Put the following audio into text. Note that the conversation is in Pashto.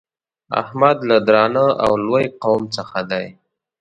احمد له درانه او لوی قوم څخه دی.